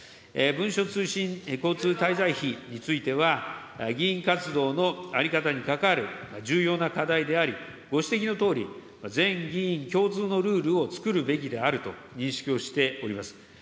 文書通信交通滞在費については、議員活動の在り方に関わる重要な課題であり、ご指摘のとおり全議員共通のルールをつくるべきであると認識をしております。